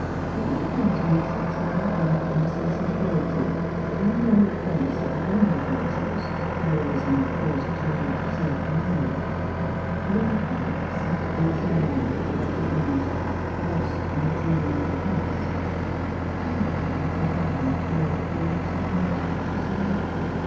It was a countenance of childlike innocence and purity, but with no promise of the grander virtues — heroism, fortitude, self denial. Dora Blake sat gazing long at the lovely image, lost in a dream of the past. ' How well I could have loved her, poor child,' she sighed.